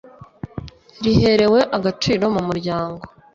riherewe agaciro mu muryango,